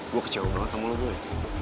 gue kecewa banget sama lo gue